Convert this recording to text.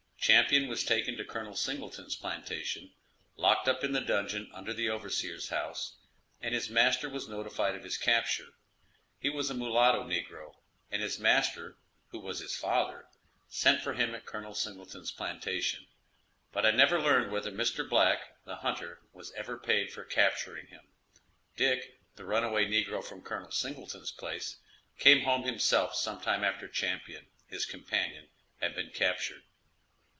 Champion was taken to Col. Singleton's plantation, locked up in the dungeon under the overseer's house, and his master was notified of his capture; he was a mulatto negro, and his master, who was his father, sent for him at Col. Singleton's plantation; but I never learned whether Mr. Black, the hunter, was ever paid for capturing him. Dick, the runaway negro from Col. Singleton's place, came home himself sometime after Champion, his companion, had been captured.